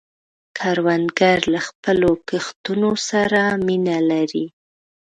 کروندګر له خپلو کښتونو سره مینه لري